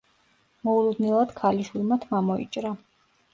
მოულოდნელად ქალიშვილმა თმა მოიჭრა.